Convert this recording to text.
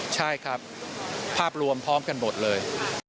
ใช่ครับภาพรวมพร้อมกันหมดเลย